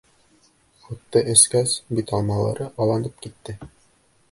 Һутты эскәс, бит алмалары алланып китте.